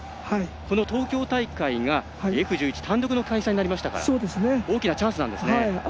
この東京大会がＦ１１単独の開催になりましたから大きなチャンスなんですね。